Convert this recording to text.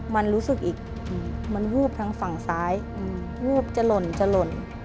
มันรู้สึกอีกมันวูบทางฝั่งซ้ายวูบจะหล่นจะหล่น